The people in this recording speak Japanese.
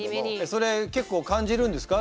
それ結構感じるんですか？